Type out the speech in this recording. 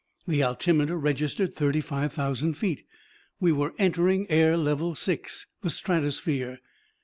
The altimeter registered thirty five thousand feet. We were entering air level six the stratosphere!